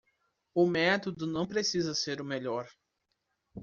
O método não precisa ser o melhor.